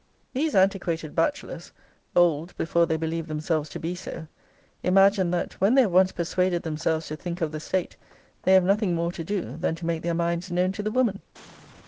These antiquated bachelors (old before they believe themselves to be so) imagine that when they have once persuaded themselves to think of the state, they have nothing more to do than to make their minds known to the woman.